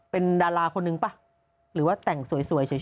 เป็นดาราคนนึงป่ะหรือว่าแต่งสวยเฉย